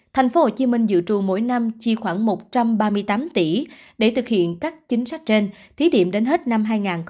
thành phố hồ chí minh dự trù mỗi năm chi khoảng một trăm ba mươi tám tỷ để thực hiện các chính sách trên thí điểm đến hết năm hai nghìn hai mươi năm